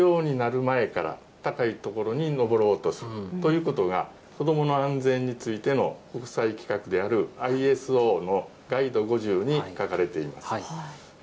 子どもは歩けるようになる前から、高い所に登ろうとするということが、子どもの安全についての国際規格であるＩＳＯのガイド５０に書かれています。